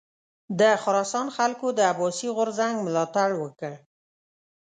د خراسان خلکو د عباسي غورځنګ ملاتړ وکړ.